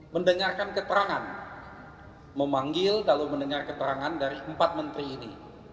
mendengarkan keterangan memanggil lalu mendengar keterangan dari empat menteri ini